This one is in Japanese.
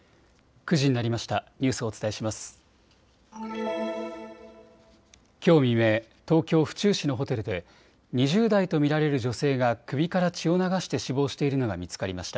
９時になりました。